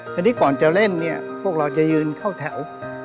ทีนี้ก่อนจะเล่นเนี่ยพวกเราจะยืนเข้าแถว